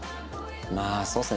まあそうですね。